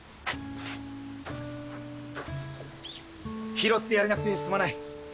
拾ってやれなくてすまない。